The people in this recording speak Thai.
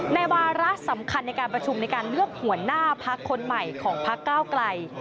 วาระสำคัญในการประชุมในการเลือกหัวหน้าพักคนใหม่ของพักเก้าไกล